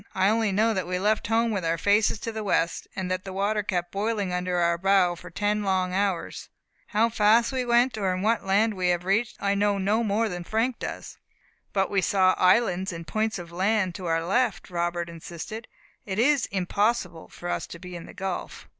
"I only know that we left home with our faces to the west, and that the water kept boiling under our bow for ten long hours. How fast we went, or what land we have reached, I know no more than Frank does." "But we saw islands and points of land to our left," Robert insisted; "it is impossible for us to be in the gulf."